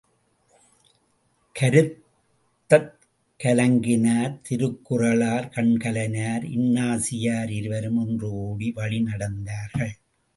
கருத்தக் கலங்கினார் திருக்குறளார் கண்கலங்கினார் இன்னாசியார் இருவரும் ஒன்றுகூடி வழி நடந்தார்கள்.